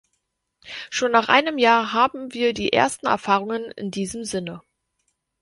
Schon nach einem Jahr haben wir die ersten Erfahrungen in diesem Sinne.